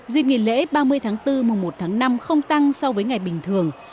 dịp nghỉ lễ ba mươi tháng bốn mùa một tháng năm không tăng so với ngày bình thường